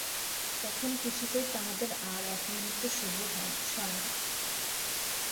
তখন কিছুতেই তাহাদের আর এক মুহূর্ত সবুর সয় না।